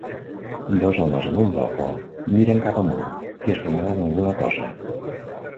Dos homes en un balcó miren cap amunt i assenyalen alguna cosa.